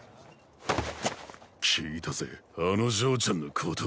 聞いたぜあの嬢ちゃんのこと。